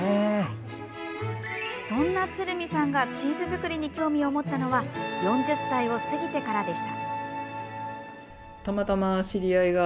そんな鶴見さんがチーズ作りに興味を持ったのは４０歳を過ぎてからでした。